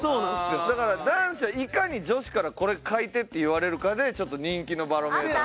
だから男子はいかに女子から「これ書いて」って言われるかでちょっと人気のバロメーター。